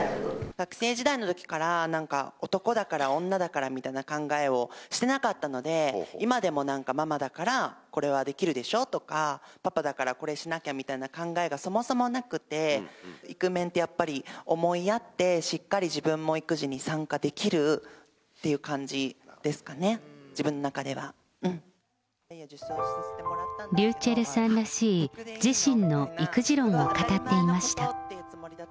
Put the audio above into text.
学生時代のときから、なんか、男だから、女だからみたいな考えをしてなかったので、今でもなんかママだからこれはできるでしょとか、パパだからこれしなきゃみたいな考えがそもそもなくって、イクメンってやっぱり、思いやって、しっかり自分も育児に参加できるっていう感じですかね、自分の中ｒｙｕｃｈｅｌｌさんらしい、自身の育児論を語っていました。